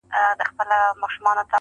که په ښار کي نور طوطیان وه دی پاچا وو،